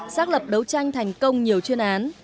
xác lập đấu tranh thành công nhiều chuyên án